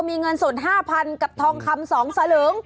มีเงินสด๕๐๐๐กับทองคำ๒สลึง